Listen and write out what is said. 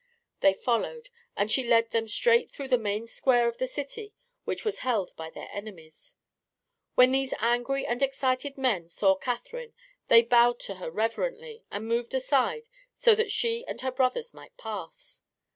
They followed, and she led them straight through the main square of the city, which was held by their enemies. When these angry and excited men saw Catherine they bowed to her reverently and moved aside so that she and her brothers might pass.